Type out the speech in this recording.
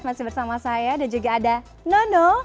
masih bersama saya dan juga ada nono